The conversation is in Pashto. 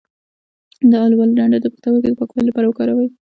د الوبالو ډنډر د پښتورګو د پاکوالي لپاره وکاروئ